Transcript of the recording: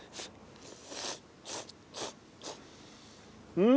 うん！